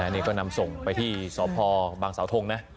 นี่ก็นำส่งไปที่สพบางสาวทงนะ